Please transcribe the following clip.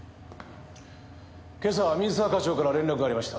今朝水沢課長から連絡がありました。